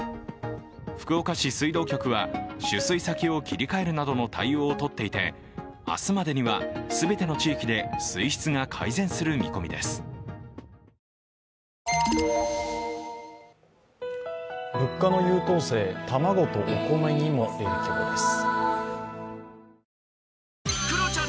福岡市水道局は取水先を切り替えるなどの対応を取っていて明日までには全ての地域で水質が改善する見込みです。